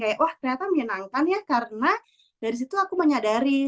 kayak wah ternyata menyenangkan ya karena dari situ aku menyadari